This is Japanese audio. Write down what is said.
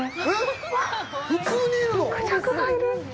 うわっ、クジャクがいる！